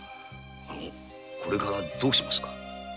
これからどうしますか？